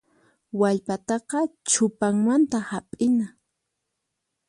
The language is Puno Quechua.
Wallpataqa chupanmanta hap'ina.